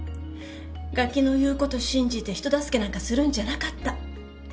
がきの言うこと信じて人助けなんかするんじゃなかった。